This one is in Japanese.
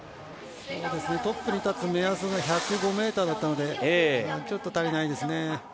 トップに立つ目安が１０５ｍだったので、ちょっと足りないですね。